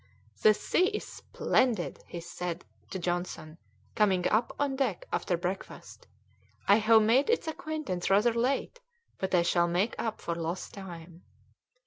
"The sea is splendid," said he to Johnson, coming up on deck after breakfast. "I have made its acquaintance rather late, but I shall make up for lost time."